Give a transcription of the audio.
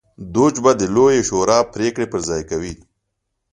دوج به د لویې شورا پرېکړې پر ځای کوي.